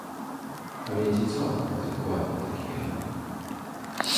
Але ці цалкам адэкватны такі ярлык?